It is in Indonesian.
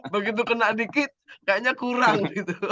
begitu kena dikit kayaknya kurang